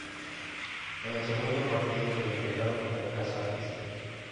En el segundo partido se enfrentaron a Kazajistán.